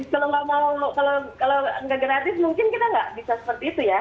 kalau nggak gratis mungkin kita nggak bisa seperti itu ya